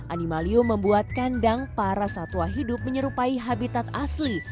animalium membuat kandang para satwa hidup menyerupai habitat asli